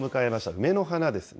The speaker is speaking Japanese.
梅の花ですね。